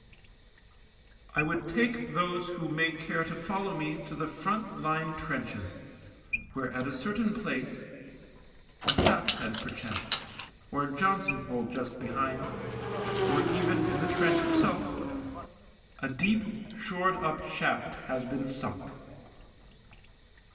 I would take those who may care to follow me to the front line trenches, where at a certain place — a sap head, perchance, or a Johnson hole just behind, or even in the trench itself — a deep, shored up shaft has been sunk.